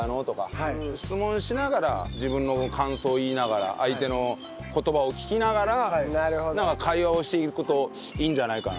質問しながら自分の感想を言いながら相手の言葉を聞きながら会話をしていくといいんじゃないかなと。